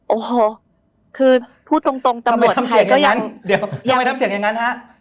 โอ้โหคือพูดตรงทำไมทำเสียงอย่างนั้น